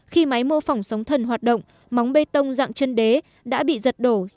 khi máy mô phỏng sóng thần hoạt động móng bê tông dạng chân đế đã bị giật đổ